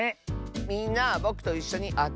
みんなぼくといっしょにあてようね。